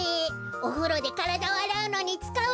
おふろでからだをあらうのにつかうやつ。